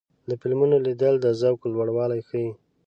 د فلمونو لیدل د ذوق لوړوالی ښيي.